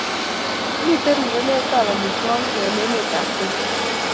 Mitei rerunetab amitwogik eng emetab Kenya